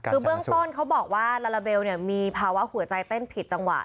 เป็นของเขาบอกว่าลาเลเบลมีภาวะหัวใจเต้นผิดจังหวะ